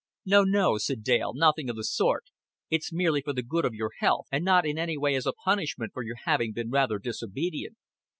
"No, no," said Dale. "Nothing of the sort. It's merely for the good of your health and not in any way as a punishment for your having been rather disobedient."